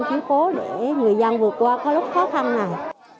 chú cố để người dân vượt qua có lúc khó khăn này